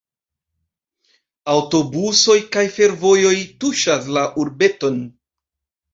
Aŭtobusoj kaj fervojoj tuŝas la urbeton.